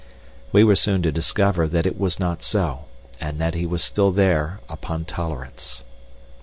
We were soon to discover that it was not so, and that he was still there upon tolerance.